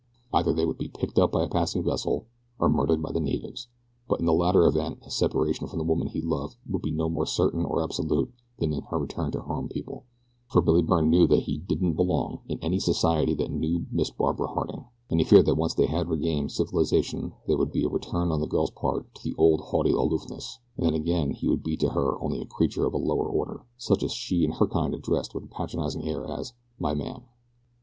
Either they would be picked up by a passing vessel or murdered by the natives, but in the latter event his separation from the woman he loved would be no more certain or absolute than in her return to her own people, for Billy Byrne knew that he "didn't belong" in any society that knew Miss Barbara Harding, and he feared that once they had regained civilization there would be a return on the girl's part to the old haughty aloofness, and that again he would be to her only a creature of a lower order, such as she and her kind addressed with a patronizing air as, "my man."